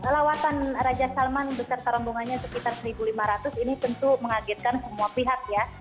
lawatan raja salman beserta rombongannya sekitar satu lima ratus ini tentu mengagetkan semua pihak ya